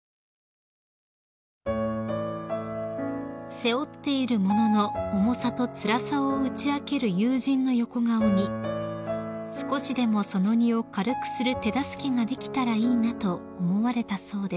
［背負っているものの重さとつらさを打ち明ける友人の横顔に「少しでもその荷を軽くする手助けができたらいいな」と思われたそうです］